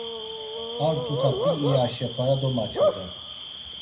Ar tuta p̌i iyaşe para domaçoden.